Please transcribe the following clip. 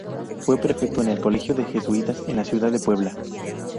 Fue prefecto en el colegio de jesuitas en la ciudad de Puebla.